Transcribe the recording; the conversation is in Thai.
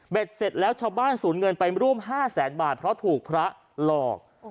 เสร็จแล้วชาวบ้านสูญเงินไปร่วม๕แสนบาทเพราะถูกพระหลอก